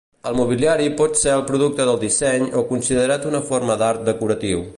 El mobiliari pot ser el producte del disseny o considerat una forma d'art decoratiu.